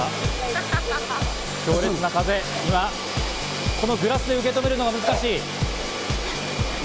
強烈な風、グラスで受け止めるのが難しい。